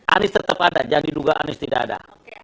anis tetap ada jangan diduga anis tidak ada